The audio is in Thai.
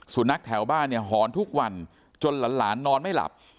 สุนัขแถวบ้านเนี่ยหอนทุกวันจนหลานนอนไม่หลับ